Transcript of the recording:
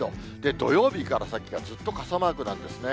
土曜日から先がずっと傘マークなんですね。